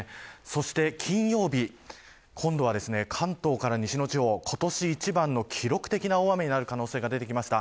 そして金曜日今度は関東から西の地方今年一番の記録的な大雨になる可能性が出てきました。